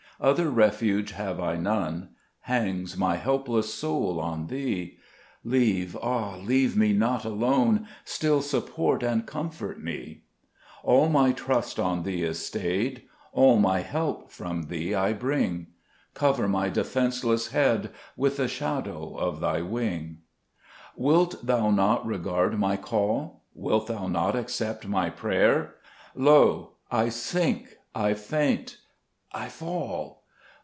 Other refuge have I none ; Hangs my helpless soul on Thee ; Leave, ah ! leave me not alone, Still support and comfort me. All my trust on Thee is stayed, All my help from Thee I bring ; Cover my defenceless head With the shadow of Thy wing. 6 XLbc JBest Cburcb Ibfimns. 3 Wilt Thou not regard my call ? Wilt Thou not accept my prayer ? Lo, I sink, I faint, I fall